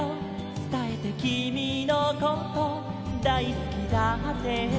つたえてきみのこと大好きだって」